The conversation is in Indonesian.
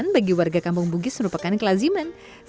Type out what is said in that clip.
mengolah ikan bagi warga kampung bugis merupakan kelaziman terbaik